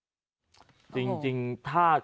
ชาวบ้านญาติโปรดแค้นไปดูภาพบรรยากาศขณะ